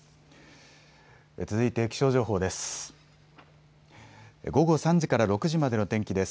続いて気象情報です。